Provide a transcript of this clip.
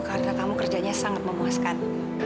karena kamu kerjanya sangat memuaskan